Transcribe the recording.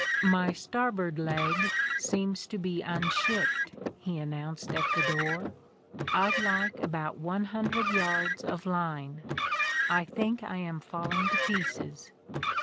"My starboard leg seems to be unshipped," he announced at the door. "I'd like about one hundred yards of line; I think I am falling to pieces."